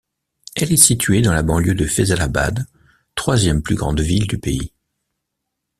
Elle est située dans la banlieue de Faisalabad, troisième plus grande ville du pays.